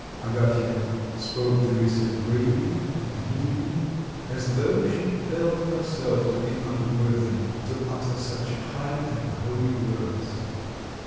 Agafya spoke to Lisa gravely and meekly, as though she felt herself to be unworthy to utter such high and holy words.